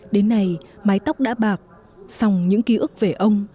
đến nay mái tóc đã bạc xong những ký ức về ông